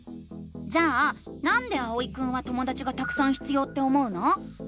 じゃあ「なんで」あおいくんはともだちがたくさん必要って思うの？